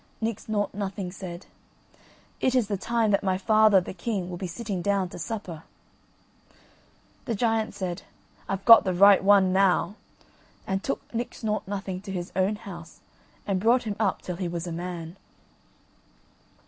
Nix Nought Nothing said: "It is the time that my father the king will be sitting down to supper." The giant said: "I've got the right one now;" and took Nix Nought Nothing to his own house and brought him up till he was a man.